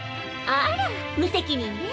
あら無責任ね。